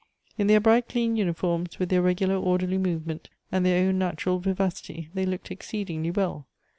In their bright, clean unifortns, with their regular orderly movement, and their own natural vivacity, they looked exceedingly well.